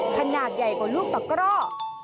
ขนาดใหญ่กว่าลูกตะกร่อ